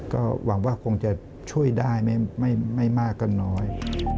ก็หวังว่าคงจะช่วยได้ไม่มากก็น้อย